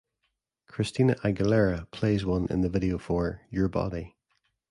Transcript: Christina Aguilera plays one in the video for "Your Body".